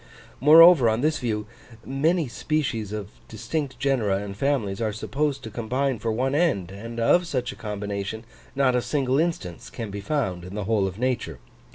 Moreover, on this view, many species of distinct genera and families are supposed to combine for one end; and of such a combination, not a single instance can be found in the whole of nature.